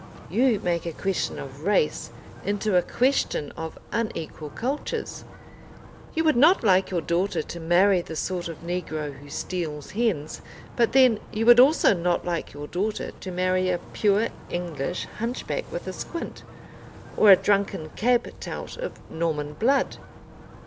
You make a question of race into a question of unequal cultures. You would not like your daughter to marry the sort of negro who steals hens, but then you would also not like your daughter to marry a pure English hunchback with a squint, or a drunken cab tout of Norman blood.